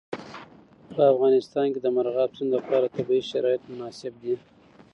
په افغانستان کې د مورغاب سیند لپاره طبیعي شرایط مناسب دي.